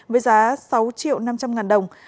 với giá sáu triệu năm trăm linh ngàn đồng